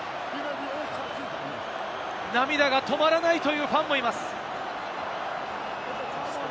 涙が止まらないというファンもいます。